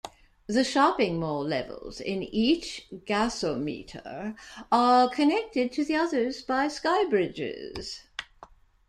The shopping mall levels in each gasometer are connected to the others by skybridges.